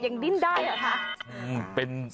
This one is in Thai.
ยังดิ้นได้หรอคะ